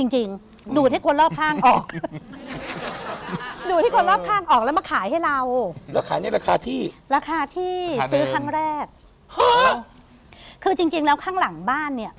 จริงแล้วข้างหลังบ้านเนี่ย